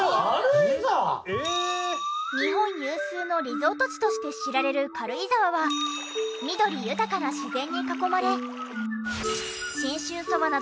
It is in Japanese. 日本有数のリゾート地として知られる軽井沢は緑豊かな自然に囲まれ。